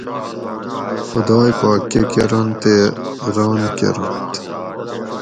خُداۓ پاک کٞہ کٞرنت تے ران کٞرنت